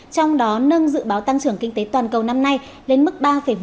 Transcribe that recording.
trong đó nâng dự báo tăng trưởng kinh tế toàn cầu năm nay lên mức ba một